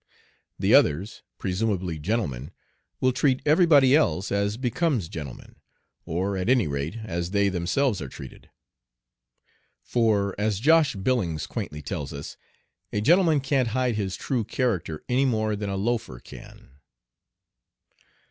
The others, presumably gentlemen, will treat everybody else as becomes gentlemen, or at any rate as they themselves are treated. For, as Josh Billings quaintly tells us, "a gentleman kant hide hiz true karakter enny more than a loafer kan."